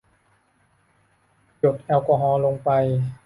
หยดแอลกอฮอล์ลงไป